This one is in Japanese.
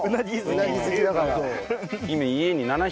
うなぎ好きだから。